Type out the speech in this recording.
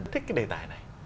thích cái đề tài này